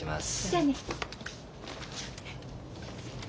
じゃあね。